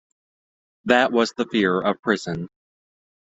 That was the fear of prison.